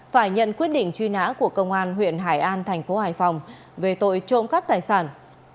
phải nhận quyết định truy nã của công an huyện hải an thành phố hải phòng về tội trộm cắt tài sản